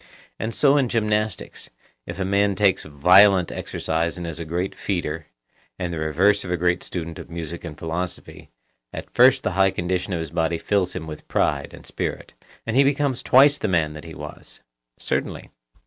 And so in gymnastics, if a man takes violent exercise and is a great feeder, and the reverse of a great student of music and philosophy, at first the high condition of his body fills him with pride and spirit, and he becomes twice the man that he was. Certainly.